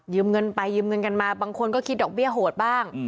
เงินไปยืมเงินกันมาบางคนก็คิดดอกเบี้ยโหดบ้าง